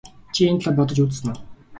Чи энэ талаар бодож үзсэн үү?